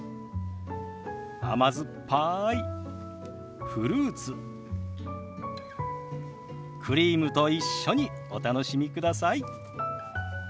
甘酸っぱいフルーツクリームと一緒にお楽しみください。